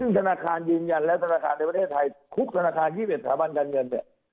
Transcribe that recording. ธนาคารยืนยันและธนาคารในประเทศไทยทุกธนาคาร๒๑สถาบันการเงินเนี่ย